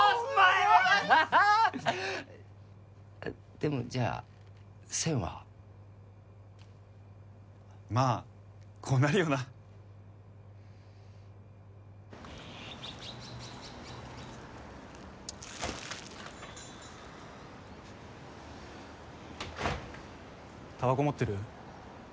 でもじゃあセンはまあこうなるよなたばこ持ってる？